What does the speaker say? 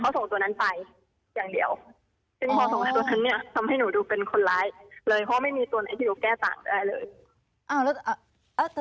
เพราะไม่มีตัวไหนที่ดูแก้ต่างได้เลย